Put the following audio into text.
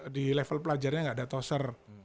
di level pelajarnya nggak ada toser